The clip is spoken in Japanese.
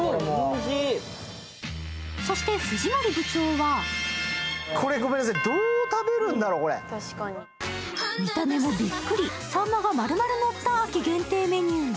そして、藤森部長は見た目もびっくり、さんまが丸々のった秋限定メニュー。